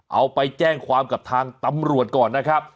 เอาไปแจ้งความกับทางตำรวจก่อนนะครับ